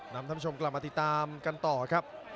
นำท่ำชมกลับมาติตามกันต่อครับ